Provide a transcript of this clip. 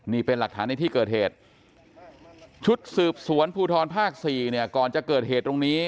นี่เป็นหลักฐานในที่เกิดเหตุชุดสืบสวนภูทรภาค๔เนี่ยก่อนจะเกิดเหตุตรงนี้